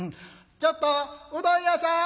ちょっとうどん屋さん！